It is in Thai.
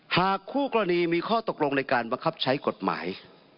หากคู่กรณีมีข้อตกลงในการบังคับใช้กฎหมาย